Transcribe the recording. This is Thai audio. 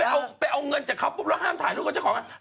เอาไปเอาเงินจากเขาปุ๊บแล้วห้ามถ่ายรูปกับเจ้าของงาน